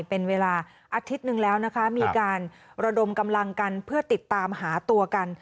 เป็นเวลาอาทิตย์หนึ่งแล้วนะคะมีการระดมกำลังกันเพื่อติดตามหาตัวกัน